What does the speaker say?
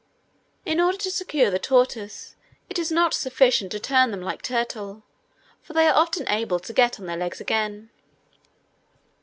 In order to secure the tortoise, it is not sufficient to turn them like turtle, for they are often able to get on their legs again.